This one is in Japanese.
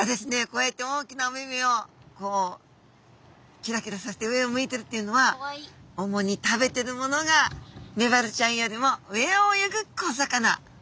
こうやって大きなお目々をこうキラキラさせて上を向いてるっていうのは主に食べてるものがメバルちゃんよりも上を泳ぐ小魚。